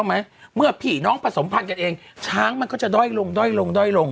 ไม่เมื่อผีน้องผสมพรรณกันเองช้างมันก็จะได้ลงได้ลง